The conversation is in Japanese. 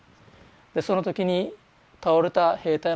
その時に倒れた兵隊のですね